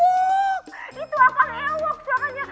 itu ah kang ewok suaranya